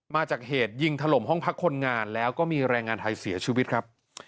มาจากเหตุยิงถล่มห้องพักคนงานแล้วก็มีแรงงานไทยเสียชีวิตครับ